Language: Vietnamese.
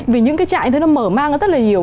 vì những cái trại như thế nó mở mang ra rất là nhiều